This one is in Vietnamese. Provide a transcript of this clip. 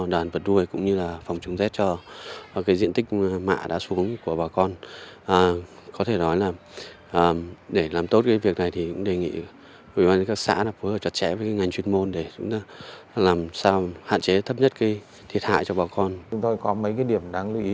đàn gia súc và cây trồng